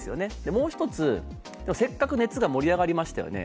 もう一つ、せっかく熱が盛り上がりましたよね。